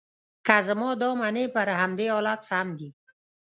که زما دا منې، پر همدې حالت سم دي.